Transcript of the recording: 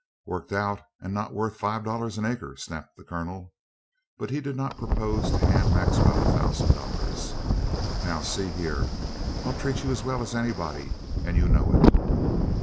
"Worked out, and not worth five dollars an acre!" snapped the Colonel. But he did not propose to hand Maxwell a thousand dollars. "Now, see here, I'll treat you as well as anybody, and you know it."